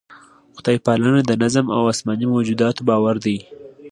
خدای پالنه د نظم او اسماني موجوداتو باور دی.